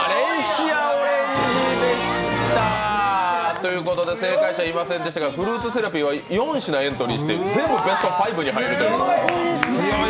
ということで正解者いませんでしたがフルーツセラピーは４品エントリーして、全部ベスト５に入るという。